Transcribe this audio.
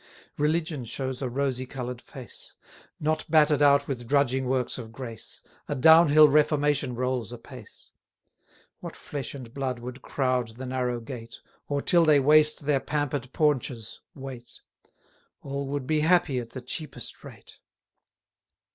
Religion shows a rosy colour'd face; 370 Not batter'd out with drudging works of grace: A down hill reformation rolls apace. What flesh and blood would crowd the narrow gate, Or, till they waste their pamper'd paunches, wait? All would be happy at the cheapest rate.